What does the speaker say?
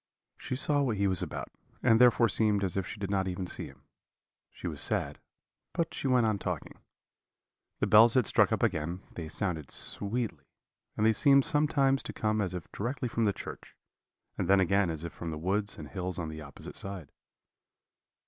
"She saw what he was about, and therefore seemed as if she did not even see him. She was sad, but she went on talking. The bells had struck up again: they sounded sweetly, and they seemed sometimes to come as if directly from the church, and then again as if from the woods and hills on the opposite side.